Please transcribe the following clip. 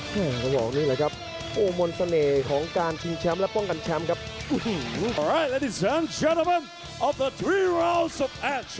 ต้องบอกนี่แหละครับโอ้มนต์เสน่ห์ของการชิงแชมป์และป้องกันแชมป์ครับ